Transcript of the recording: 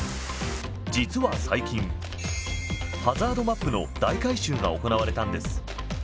実は最近、ハザードマップの大改修が行われたんです。